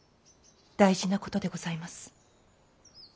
大事なことでございます。